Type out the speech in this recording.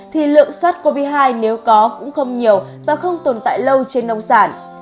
thì lượng sars cov hai nếu có cũng không nhiều và không tồn tại lâu trên nông sản